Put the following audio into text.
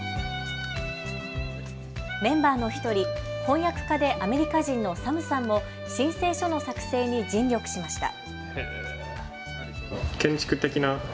メンバーの１人、翻訳家でアメリカ人のサムさんも申請書の作成に尽力しました。